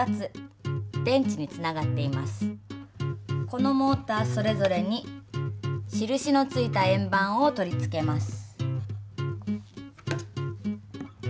このモーターそれぞれに印のついた円ばんを取り付けます。